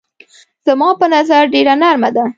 زما په نظر ډېره نرمه ده.